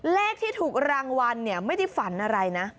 เลขที่ถูกรางวัลเนี่ยไม่ได้ฝันอะไรนะ